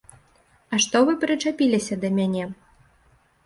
А што вы прычапіліся да мяне?